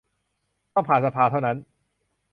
ต้องผ่านสภาเท่านั้น